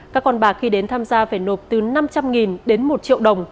các con bạc khi đến tham gia phải nộp từ năm trăm linh đến một triệu đồng